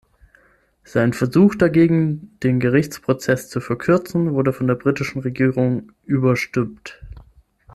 Sein Versuch dagegen den Gerichtsprozess zu verkürzen wurde von der britischen Regierung überstimmt.